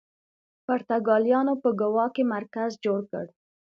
پرتګالیانو په ګوا کې مرکز جوړ کړ.